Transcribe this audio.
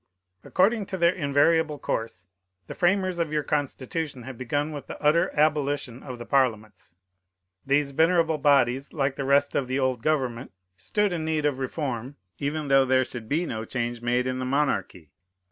According to their invariable course, the framers of your Constitution have begun with the utter abolition of the parliaments. These venerable bodies, like the rest of the old government, stood in need of reform, even though there should be no change made in the monarchy.